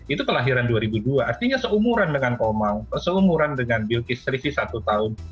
itu kelahiran dua ribu dua artinya seumuran dengan komang seumuran dengan bilkis selisih satu tahun